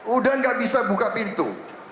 udah gak bisa buka pintu